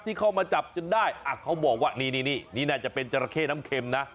ที่เข้ามาจับจนได้เขาบอกว่านี่นี่น่าจะเป็นจราเข้น้ำเข็มนะ